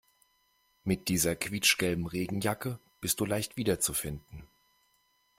Mit dieser quietschgelben Regenjacke bist du leicht wiederzufinden.